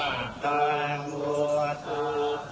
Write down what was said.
นักโมทรัพย์ภักวะโตอาระโตสัมมาสัมพุทธศาสตร์